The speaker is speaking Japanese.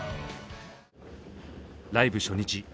ライブ初日。